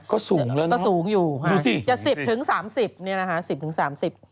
ก็สูงแล้วเนอะดูสิจะ๑๐๓๐เซนต์นี้นะคะ๑๐๓๐เซนต์